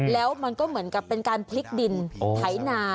แล้วมันก็เหมือนกับเป็นการพลิกดินไถนา